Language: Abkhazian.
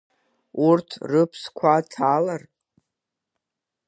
Урҭ рыԥсқәа ҭалар…